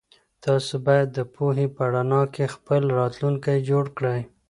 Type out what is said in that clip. تاسو بايد د پوهي په رڼا کي خپل راتلونکی جوړ کړئ.